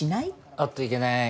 おっといけない。